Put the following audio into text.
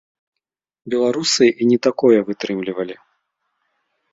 Беларусы і не такое вытрымлівалі.